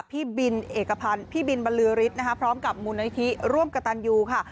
พี่บินเอกพันธ์พี่บินบรรลือฤทธิ์นะคะพร้อมกับมูลนิธิร่วมกับตันยูค่ะ